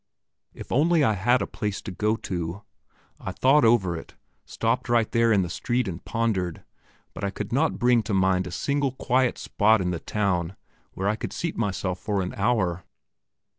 If I only had a place to go to. I thought over it stopped right there in the street and pondered, but I could not bring to mind a single quiet spot in the town where I could seat myself for an hour.